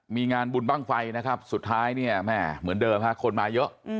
มีงานบุญบ้างไฟนะครับสุดท้ายเนี่ยแม่เหมือนเดิมฮะคนมาเยอะ